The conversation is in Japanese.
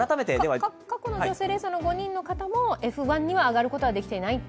過去の女性レーサーの５人の方にもＦ１に上がることができていない？